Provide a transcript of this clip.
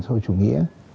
xã hội chủ nghĩa